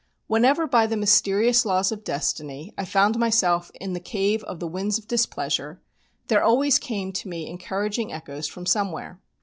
Whenever by the mysterious laws of destiny I found myself in the cave of the winds of displeasure, there always came to me encouraging echoes from somewhere.